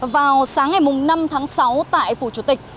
vào sáng ngày năm tháng sáu tại phủ chủ tịch